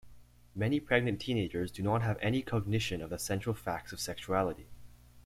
Many pregnant teenagers do not have any cognition of the central facts of sexuality.